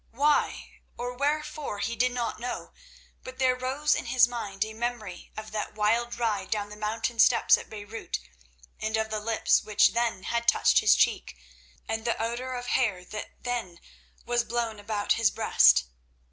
Why or wherefore he did not know, but there rose in his mind a memory of that wild ride down the mountain steeps at Beirut, and of lips which then had touched his cheek, and of the odour of hair that then was blown about his breast.